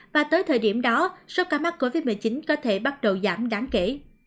và tới thời điểm đó số ca mắc covid một mươi chín có thể bắt đầu giảm đáng kể